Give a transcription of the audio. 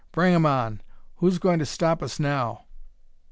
Bring 'em on! Who's going to stop us now?"